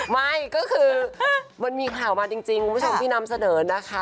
ไม่ก็คือมันมีข่าวมาจริงคุณผู้ชมที่นำเสนอนะคะ